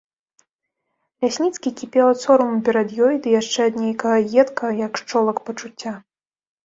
Лясніцкі кіпеў ад сораму перад ёй ды яшчэ ад нейкага едкага, як шчолак, пачуцця.